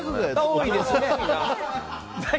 多いですね。